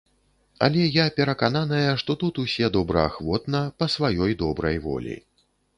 Але я перакананая, што тут усе добраахвотна, па сваёй добрай волі.